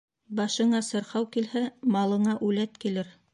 Башыңа сырхау килһә, малыңа үләт килер.